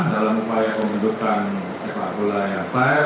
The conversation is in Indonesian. dalam upaya pembentukan sepak gula yang parah